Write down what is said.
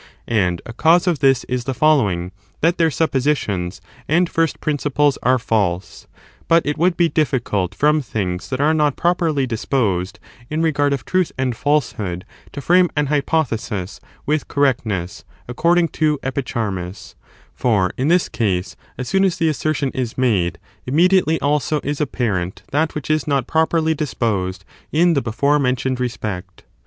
And a cause of this is the following, that their j^ Theincon suppositions and first principles are false. But sistencyofthe it would be difficult from things that are not J^Sf oflhl* properly disposed in regard of truth and false falsehood of hood to frame an hypothesis with correctness, '®*'P"""P «■• according to Epicharmus; for in this case, as soon as the assertion is made, immediately also is apparent that which is not properly disposed in the before mentioned respect.